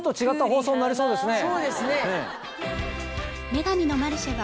放送になりそうですね。